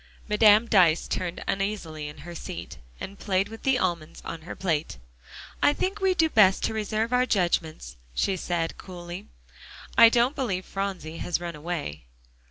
Madame Dyce turned uneasily in her seat, and played with the almonds on her plate. "I think we do best to reserve our judgments," she said coolly. "I don't believe Phronsie has run away."